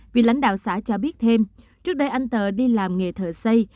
vị lãnh đạo xã cho biết thêm trước đây anh t đi làm nghề thợ xây